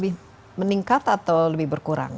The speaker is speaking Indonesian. lebih meningkat atau lebih berkurang